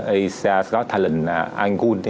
asian got talent là anh gun